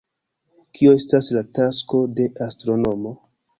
Kio estas la tasko de astronomo?